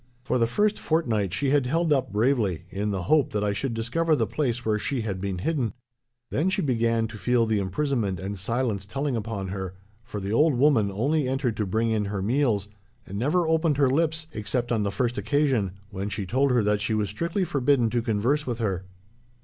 For the first fortnight she had held up bravely, in the hope that I should discover the place where she had been hidden. Then she began to feel the imprisonment and silence telling upon her, for the old woman only entered to bring in her meals, and never opened her lips, except on the first occasion, when she told her that she was strictly forbidden to converse with her.